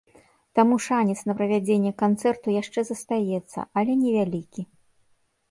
Таму шанец на правядзенне канцэрту яшчэ застаецца, але невялікі.